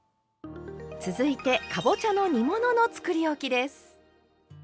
続いてかぼちゃの煮物のつくりおきです。